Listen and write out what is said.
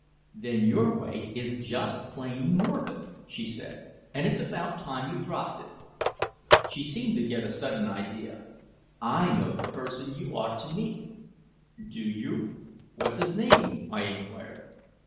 "Then your way is just plain morbid," she said, "and it's about time you dropped it." She seemed to get a sudden idea. "I know the person you ought to meet " "Do you? What's his name?" I inquired.